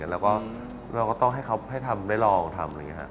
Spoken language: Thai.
แล้วก็ต้องให้เขาทำได้รองทำ